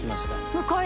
向かい